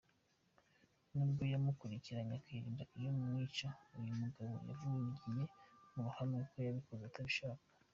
Nubwo yamukurikiranye akarinda iyo amwica, uyu mugabo yavugiye mu ruhame ko yabikoze atabishaka.